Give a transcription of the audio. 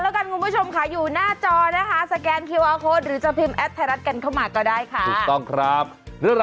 เพราะถ้าหน้าเจอกันยาวแบบนี้อยู่แล้ว